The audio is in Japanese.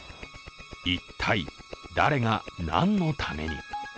一体、誰が、何のために。